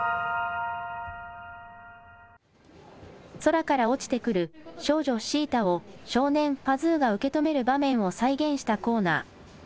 空から落ちてくる少女シータを少年パズーが受け止める場面を再現したコーナー。